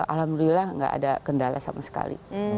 alhamdulillah nggak ada kendala sama sekali